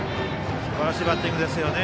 すばらしいバッティングですね。